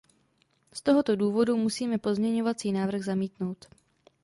Z tohoto důvodu musíme pozměňovací návrh zamítnout.